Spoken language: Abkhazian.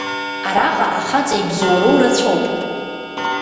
Араҟа ахаҵа ибзоуроу рацәоуп…